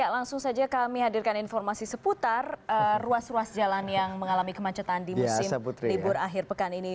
langsung saja kami hadirkan informasi seputar ruas ruas jalan yang mengalami kemacetan di musim libur akhir pekan ini